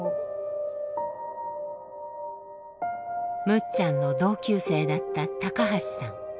むっちゃんの同級生だった橋さん。